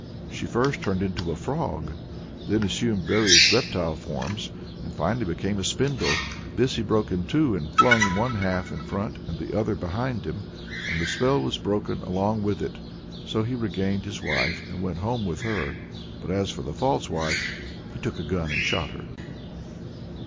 She first turned into a frog, then assumed various reptile forms, and finally became a spindle. This he broke in two, and flung one half in front and the other behind him, and the spell was broken along with it. So he regained his wife and went home with her. But as for the false wife, he took a gun and shot her.